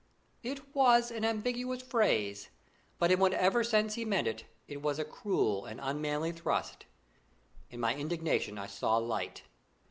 It was an ambiguous phrase, but in whatever sense he meant it, it was a cruel and unmanly thrust; in my indignation I saw light.